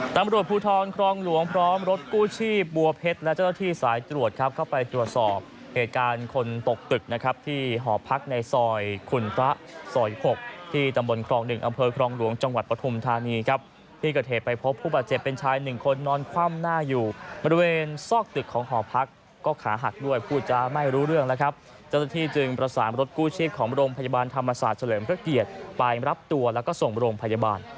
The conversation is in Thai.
ตามรวดภูทรครองหลวงพร้อมรถกู้ชีพบัวเพชรและเจ้าที่สายตรวจครับเข้าไปตรวจสอบเหตุการณ์คนตกตึกนะครับที่หอพักในซอยคุณพระซอยหกที่ตำบลครองหนึ่งอำเภอครองหลวงจังหวัดปทุมธานีครับที่ก็เทไปพบผู้บาดเจ็บเป็นชายหนึ่งคนนอนคว่ำหน้าอยู่บริเวณซอกตึกของหอพักก็ขาหักด้วยผู้จะไม่รู้เรื่องแล้วครับ